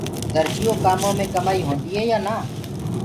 درجيو ڪآمون مي ڪمآئي هوندي هي يآن نآ